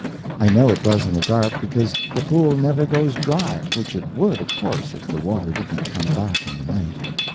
I know it does in the dark, because the pool never goes dry, which it would, of course, if the water didn't come back in the night.